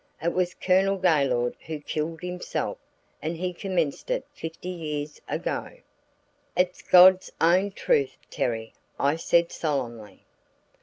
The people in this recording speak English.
It was Colonel Gaylord who killed himself, and he commenced it fifty years ago." "It's God's own truth, Terry!" I said solemnly.